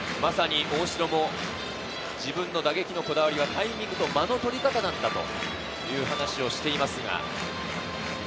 大城も自分の打撃のこだわりはタイミングと間の取り方という話をしています。